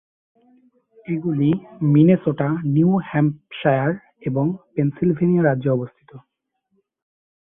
এগুলি Minnesota, New Hampshire এবং Pennsylvania রাজ্যে অবস্থিত।